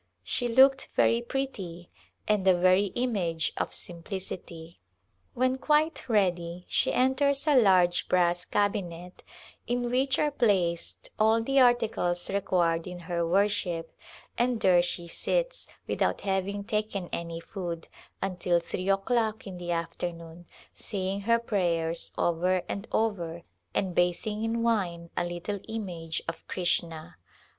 She looked very pretty and the very image of simplicity. When quite ready she enters a large brass cabinet in which are placed all the articles required in her wor ship, and there she sits, without having taken any food, until three o'clock in the afternoon, saying her prayers over and over and bathing in wine a little image of Krishna.